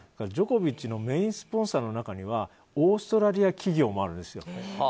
ジョコビッチのメインスポンサーの中にはオーストラリア企業もあるんですよ。